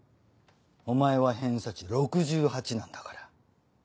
お前は偏差値６８なんだから。